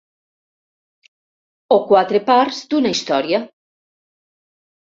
O quatre parts d'una història.